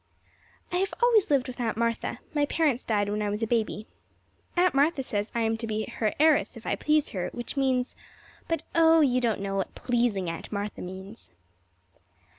I have always lived with Aunt Martha my parents died when I was a baby. Aunt Martha says I am to be her heiress if I please her which means but, oh, you do not know what "pleasing" Aunt Martha means.